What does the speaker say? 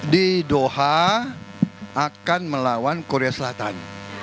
di doha akan melawan korea selatan